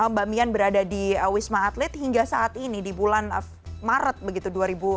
mbak mian berada di wisma atlet hingga saat ini di bulan maret begitu dua ribu dua puluh dua